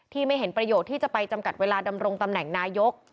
ไม่เห็นประโยชน์ที่จะไปจำกัดเวลาดำรงตำแหน่งนายก